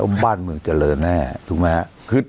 มันเจริญแน่ถูกไหมครับ